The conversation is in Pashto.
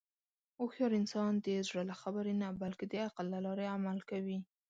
هوښیار انسان د زړه له خبرې نه، بلکې د عقل له لارې عمل کوي.